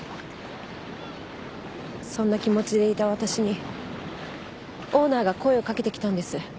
そんな気持ちでいた私にオーナーが声をかけてきたんです。